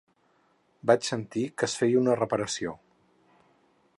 Vaig sentir que es feia una reparació.